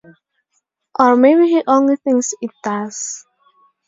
Or maybe he only thinks it does.